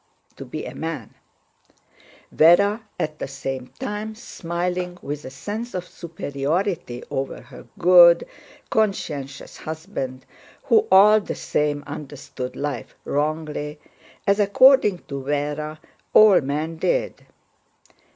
* Véra at the same time smiling with a sense of superiority over her good, conscientious husband, who all the same understood life wrongly, as according to Véra all men did.